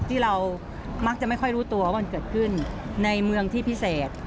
ที่เรามักจะไม่ค่อยรู้ตัวว่ามันเกิดขึ้นในเมืองที่พิเศษ